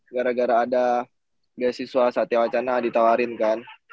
gara gara ada beasiswa satya wacana ditawarin kan